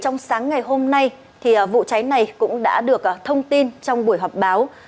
trong sáng ngày hôm nay vụ cháy này cũng đã được thông tin trong buổi họp báo